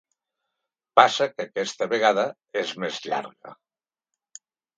Passa que aquesta vegada és més llarga.